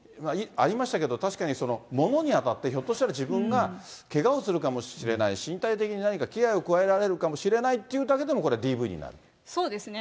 ありましたけれども、確かにものに当たって、ひょっとしたら、自分がけがをするかもしれない、身体的に何か危害を加えられるかもしれないということだけでも、そうですね。